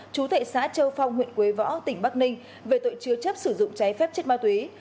chú thệ xã châu phong huyện quế võ tỉnh bắc ninh về tội chứa chấp sử dụng trái phép chất ma túy